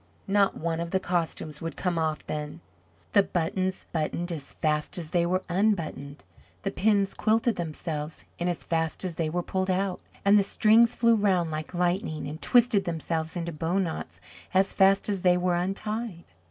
Not one of the costumes would come off then. The buttons buttoned as fast as they were unbuttoned; the pins quilted themselves in as fast as they were pulled out; and the strings flew round like lightning and twisted themselves into bow knots as fast as they were untied.